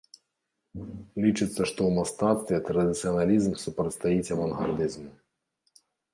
Лічыцца, што ў мастацтве традыцыяналізм супрацьстаіць авангардызму.